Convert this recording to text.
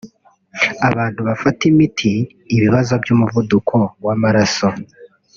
Abantu bafata imiti ibibazo by’umuvuduko w’amaraso